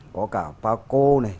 có cả ba cô này